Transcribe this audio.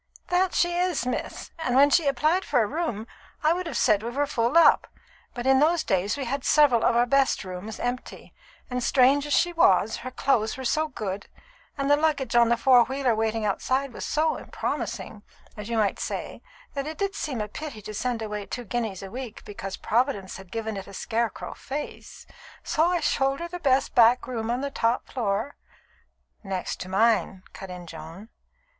"That she is, miss; and when she applied for a room, I would have said we were full up, but in those days we had several of our best rooms empty, and, strange as she was, her clothes were so good, and the luggage on the four wheeler waiting outside was so promising, as you might say, that it did seem a pity to send away two guineas a week because Providence had given it a scarecrow face. So I showed her the best back room on the top floor " "Next to mine," cut in Joan.